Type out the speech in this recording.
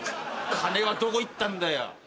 金はどこいったんだよ？